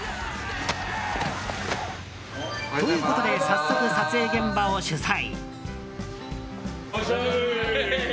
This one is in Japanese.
ということで早速撮影現場を取材。